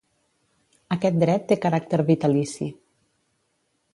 Aquest dret té caràcter vitalici.